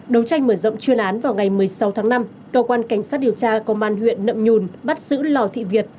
đấu tranh mở rộng chuyên án vào ngày một mươi sáu tháng năm cơ quan cảnh sát điều tra công an huyện nậm nhùn bắt giữ lò thị việt